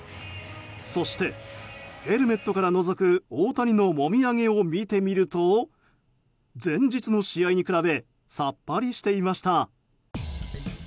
そして、ヘルメットからのぞく大谷のもみあげを見てみると前日の試合に比べさっぱりしていました。